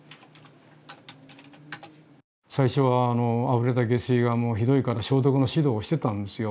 最初はあふれた下水がひどいから消毒の指導をしてたんですよ。